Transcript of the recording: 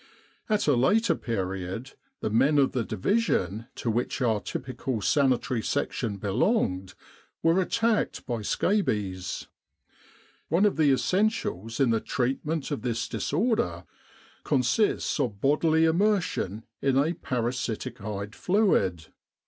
At a later period, the men of the Division to which our typical Sanitary Section belonged, were attacked by scabies. One of the essentials in the treatment of this disorder consists of bodily immersion in a para siticide fluid.